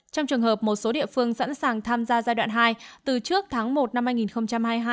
trong trường hợp một số địa phương sẵn sàng tham gia giai đoạn hai từ trước tháng một năm hai nghìn hai mươi hai